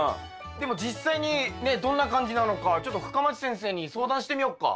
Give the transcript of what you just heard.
でも実際にねどんな感じなのかちょっと深町先生に相談してみよっか。